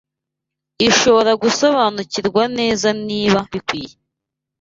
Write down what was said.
ishobora gusobanukirwa neza niba bikwiye